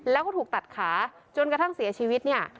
แล้วก็ถูกตัดขาจนกระทั่งเสียชีวิตเนี่ย